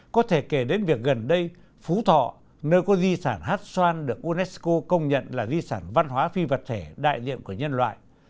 có thể kể đến việc gần đây phú thọ nơi có di sản hát xoan được unesco công nhận là di sản văn hóa phi vật thể đại diện của nhân loại